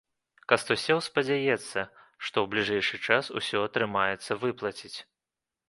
Кастусёў спадзяецца, што ў бліжэйшы час ўсё атрымаецца выплаціць.